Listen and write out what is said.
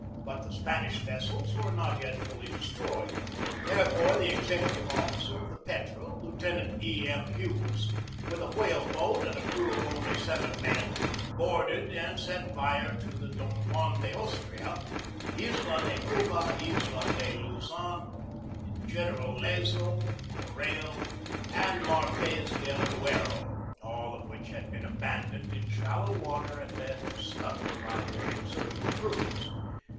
But the Spanish ves sels were not yet fully destroyed. Therefore, the executive officer of the Petrel, Lieutenant E. M. Hughes, with a whale boat and a crew of only seven men, boarded and set fire to the Don Juan de Aus tria, Isla de Cuba, Isla de Luzon, General Lezo, Coreo, and Marques del Duero, all of which had been aban doned in shallow water and left scuttled by their deserting crews.